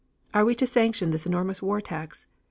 Are we to sanction this enormous war tax?